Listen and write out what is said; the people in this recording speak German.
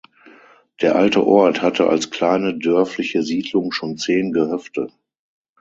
Der alte Ort hatte als kleine dörfliche Siedlung schon zehn Gehöfte.